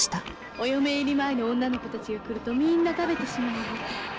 「お嫁入り前の女の子たちが来るとみんな食べてしまうの」。